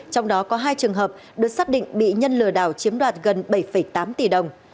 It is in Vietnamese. trong đó có hai trường hợp được xác định bị nhân lừa đảo chiếm đoạt gần bảy tám tỷ đồng